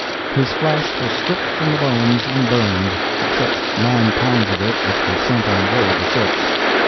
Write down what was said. His flesh was stripped from the bones and burned (except nine pounds of it which were sent on board the ships).